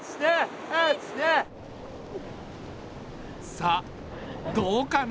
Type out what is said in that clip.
さあどうかな？